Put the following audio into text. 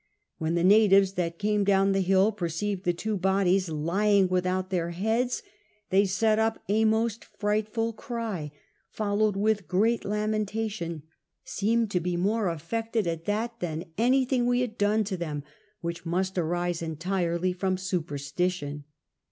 When the natives that came down the hill perceived the two bodies lying without their heads, they set up a most fright ful cry, followed with great lamentation, seemed to be more affected at that tlian anything we had done to them, which must arise entirely from superstition.